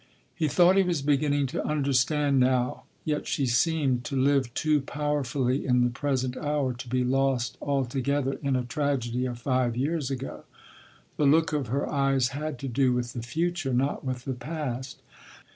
He thought he was beginning to understand now, yet she seemed to live too powerfully in the present hour to be lost altogether in a tragedy of five years ago. The look of her eyes had to do with the future, not with the past.